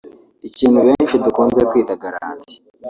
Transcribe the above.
ikintu benshi dukunze kwita ‘garanti’